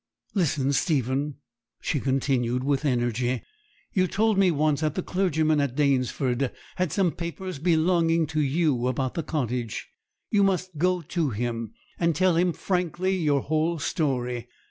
'Listen, Stephen,' she continued, with energy: 'you told me once that the clergyman at Danesford has some paper belonging to you, about the cottage. You must go to him, and tell him frankly your whole story.